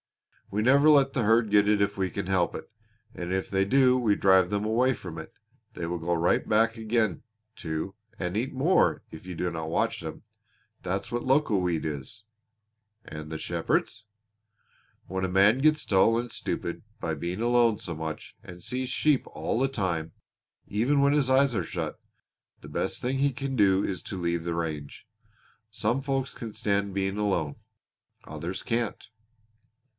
We never let the herd get it if we can help it, and if they do we drive them away from it. They will go right back again, too, and eat more if you do not watch them. That's what loco weed is." "And the shepherds?" "When a man gets dull and stupid by being alone so much, and sees sheep all the time even when his eyes are shut the best thing he can do is to leave the range. Some folks can stand being alone, others can't.